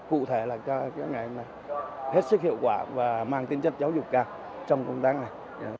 cụ thể là cho các em hết sức hiệu quả và mang tính chất giáo dục cao trong công tác này